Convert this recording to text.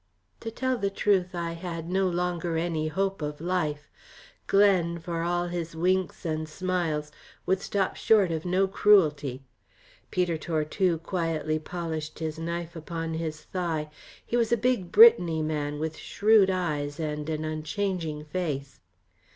To tell the truth, I had no longer any hope of life. Glen, for all his winks and smiles, would stop short of no cruelty. Peter Tortue quietly polished his knife upon his thigh. He was a big Brittany man, with shrewd eyes and an unchanging face.